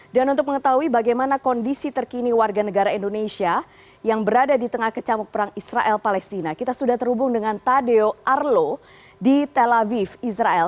dan untuk mengetahui bagaimana kondisi terkini warga negara indonesia yang berada di tengah kecamuk perang israel palestina kita sudah terhubung dengan tadeo arlo di tel aviv israel